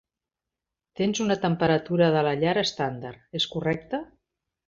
Tens una temperatura de la llar estàndard, és correcte?